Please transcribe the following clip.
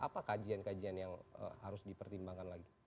apa kajian kajian yang harus dipertimbangkan lagi